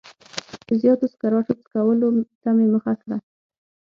د زیاتو سګرټو څکولو ته مې مخه کړه.